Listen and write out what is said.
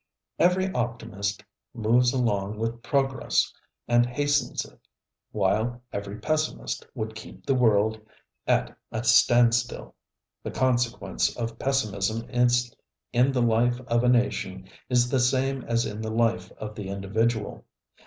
ŌĆØ Every optimist moves along with progress and hastens it, while every pessimist would keep the world at a standstill. The consequence of pessimism in the life of a nation is the same as in the life of the individual.